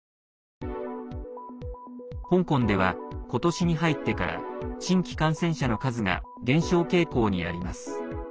香港では、今年に入ってから新規感染者の数が減少傾向にあります。